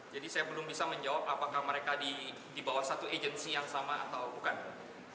jadi saya belum bisa menjawab apakah mereka di bawah satu agensi yang sama atau bukan